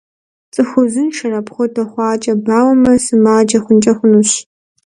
ЦӀыху узыншэр апхуэдэ хьэуакӀэ бауэмэ, сымаджэ хъункӀэ хъунущ.